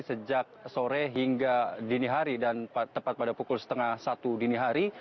sejak sore hingga dini hari dan tepat pada pukul setengah satu dini hari